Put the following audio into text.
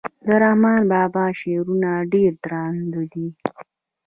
د رحمان بابا شعرونه ډير درانده دي.